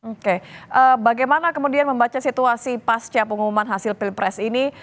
oke bagaimana kemudian membaca situasi pasca pengumuman hasil pilpres ini